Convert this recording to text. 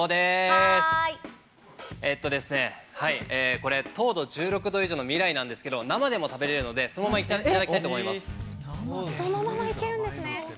これ、糖度１６度以上の味来なんですけど、生でも食べられるので、そのままいけるんですね。